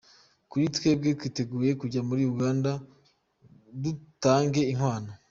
Kuri twebwe twiteguye kujya muri Uganda dutange inkwano…”